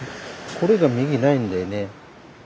これが右ないんだよね。